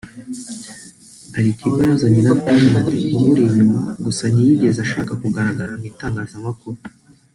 Ali Kiba azanye na Dimpoz (umuri inyuma) gusa ntiyigeze ashaka kugaragara mu itangazamakuru